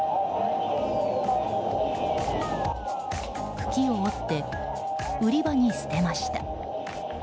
茎を折って売り場に捨てました。